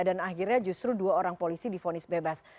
dan akhirnya justru dua orang polisi difonis bebas